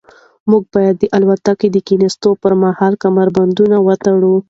موږ باید د الوتکې د کښېناستو پر مهال کمربندونه وتړو.